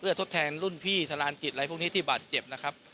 ทดแทนรุ่นพี่สลานกิจอะไรพวกนี้ที่บาดเจ็บนะครับ